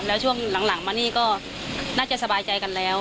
แล้วช่วงหลังมานี่ก็น่าจะสบายใจกันแล้ว